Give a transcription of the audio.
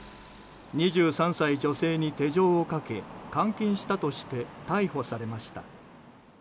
２３歳女性に手錠をかけ監禁したとして逮捕されました。